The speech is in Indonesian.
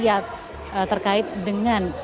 yang terkait dengan